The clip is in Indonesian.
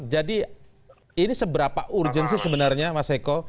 jadi ini seberapa urgen sih sebenarnya mas eko